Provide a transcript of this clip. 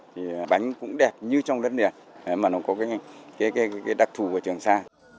thì bánh cũng đẹp như trong đất liền mà nó có cái đặc thù của trường sa